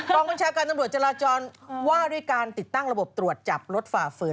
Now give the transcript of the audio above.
กองบัญชาการตำรวจจราจรว่าด้วยการติดตั้งระบบตรวจจับรถฝ่าฝืน